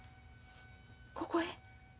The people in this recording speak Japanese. ここへ？